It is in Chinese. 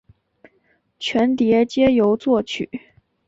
全碟皆由作曲。